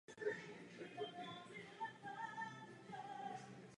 Na počátku druhé světové války byl jako komunista a nepřátelský cizinec internován.